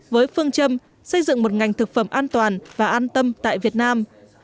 với phương châm xây dựng một ngành thực phẩm an toàn và an tâm tại việt nam